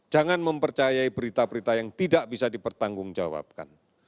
jangan mempercayai berita berita yang tidak bisa dipertanggungjawabkan